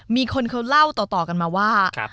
มีคนเขาเล่าต่อกันมาว่า